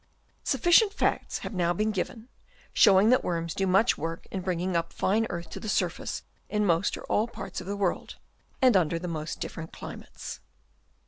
Suffi cient facts have now been given, showing that worms do much work in bringing up fine earth to the surface in most or all parts of the world, and under the most different climates.